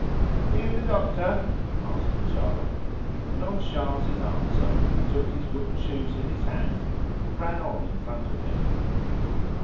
"Are you the doctor?" asked the child. And on Charles's answer he took his wooden shoes in his hands and ran on in front of him.